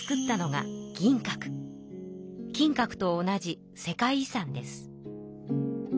金閣と同じ世界遺産です。